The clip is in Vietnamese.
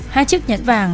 hai chức nhẫn vàng